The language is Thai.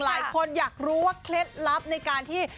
หลายคนอยากรู้ว่าเคล็ดลับในการที่